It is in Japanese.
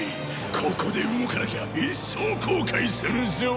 ここで動かなきゃ一生後悔するぞ。